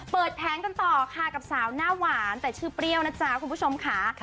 แผงกันต่อค่ะกับสาวหน้าหวานแต่ชื่อเปรี้ยวนะจ๊ะคุณผู้ชมค่ะ